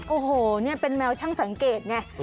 โอ้โหนี่เป็นแมวช่างสังเกตไง